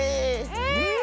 うん！